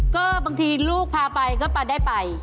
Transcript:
ก็บางทีลูกพาไปก็ได้ไป